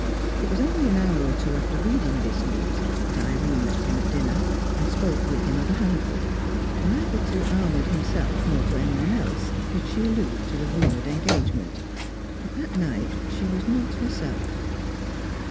It was only an hour or two after reading this news that Irene met him at dinner, and spoke with him of Hannaford; neither to Arnold himself nor to anyone else did she allude to the rumoured engagement; but that night she was not herself.